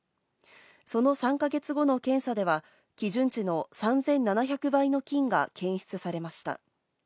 その３か月後の検査では、基準値の３７００倍の菌が検出されました。